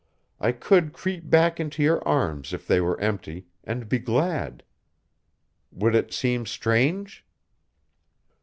I could creep back into your arms if they were empty, and be glad. Would it seem strange?"